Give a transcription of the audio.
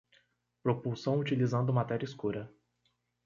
Propulsão utilizando matéria escura